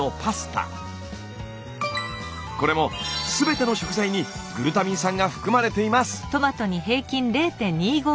これも全ての食材にグルタミン酸が含まれています！